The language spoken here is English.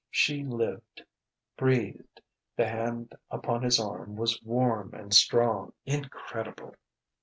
She lived; breathed; the hand upon his arm was warm and strong.... Incredible!